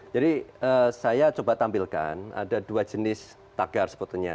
jadi saya coba tampilkan ada dua jenis tagar sepertinya